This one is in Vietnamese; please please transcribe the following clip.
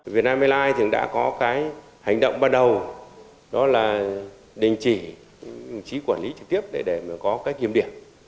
việt nam airlines đã có hành động bắt đầu đó là đình chỉ chỉ quản lý trực tiếp để có kiểm điểm